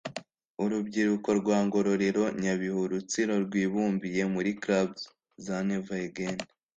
urubyiruko rwa ngororero nyabihu rutsiro rwibumbiye muri clubs za never again